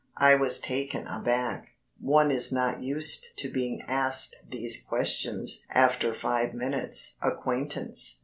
I was taken aback. One is not used to being asked these questions after five minutes' acquaintance.